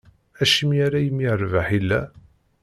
Acimi ala imi rrbeḥ illa?